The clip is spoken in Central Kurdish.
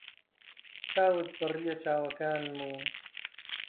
چاوت بڕیە چاوەکانم و